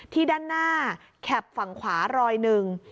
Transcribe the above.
ด้านหน้าแข็บฝั่งขวารอยหนึ่ง